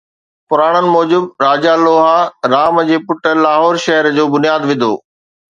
پراڻن موجب، راجا لوها، رام جي پٽ، لاهور شهر جو بنياد وڌو